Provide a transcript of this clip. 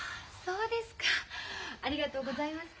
ありがとうございます。